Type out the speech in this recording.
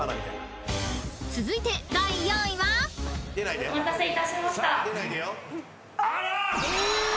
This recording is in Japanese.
［続いて第４位は？］お待たせいたしました。